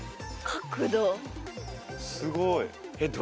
すごい。